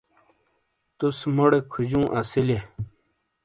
تس موڑے کھجیو اسیلیئے۔